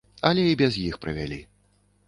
Але і без іх правялі.